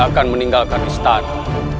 saya akan meninggalkan istana